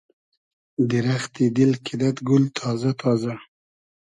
دیرئختی دیل کیدئد گول تازۂ تازۂ